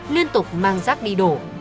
liên tục mang rác đi đổ